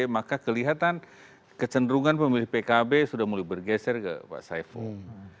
maka kelihatan kecenderungan pemilih pkb sudah mulai bergeser ke pak saiful